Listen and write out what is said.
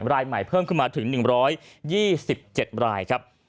รายใหม่เพิ่มขึ้นมาถึง๑๒๗รายครับ